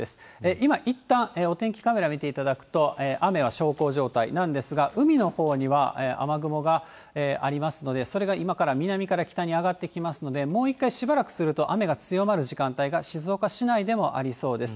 今いったん、お天気カメラ見ていただくと、雨は小康状態なんですが、海のほうには雨雲がありますので、それが今から南から北に上がってきますので、もう一回しばらくすると、雨が強まる時間帯が、静岡市内でもありそうです。